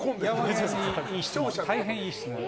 大変いい質問。